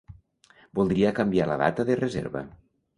Voldria canviar la data de reserva.